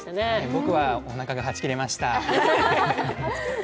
僕はおなかがはち切れました。